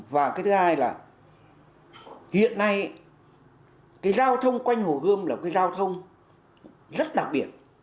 và cái thứ hai là hiện nay cái giao thông quanh hồ gươm là cái giao thông rất đặc biệt